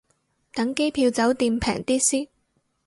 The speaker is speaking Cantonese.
等機票酒店平啲先